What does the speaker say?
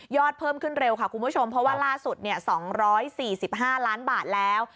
เพิ่มขึ้นเร็วค่ะคุณผู้ชมเพราะว่าล่าสุด๒๔๕ล้านบาทแล้ว